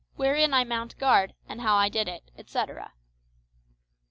WHEREIN I MOUNT GUARD, AND HOW I DID IT, ETCETERA.